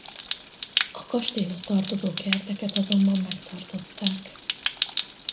A kastélyhoz tartozó kerteket azonban megtartották.